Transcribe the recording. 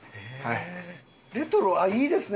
レトロいいですね